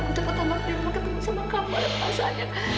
itu pertama kali mama ketemu sama kamu